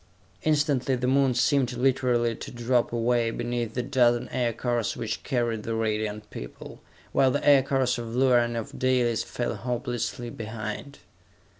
Instantly the Moon seemed literally to drop away beneath the dozen aircars which carried the Radiant People, while the aircars of Luar and of Dalis fell hopelessly behind.